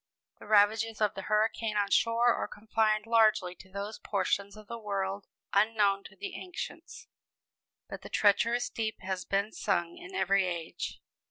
The ravages of the hurricane on shore are confined largely to those portions of the world unknown to the ancients; but the treacherous deep has been sung in every age.